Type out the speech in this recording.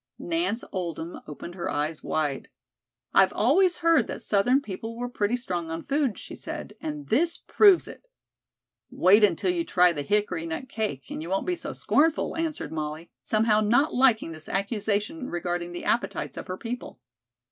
Nance Oldham opened her eyes wide. "I've always heard that Southern people were pretty strong on food," she said, "and this proves it." "Wait until you try the hickory nut cake, and you won't be so scornful," answered Molly, somehow not liking this accusation regarding the appetites of her people.